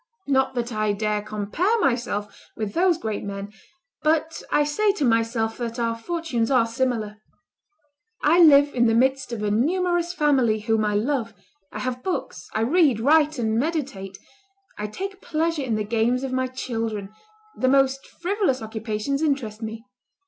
Not that I dare compare myself with those great men, but I say to myself that our fortunes are similar. I live in the midst of a numerous family whom I love; I have books; I read, write, and meditate; I take pleasure in the games of my children; the most frivolous occupations interest me.